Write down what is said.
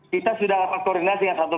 kita sudah lakukan koordinasi yang satu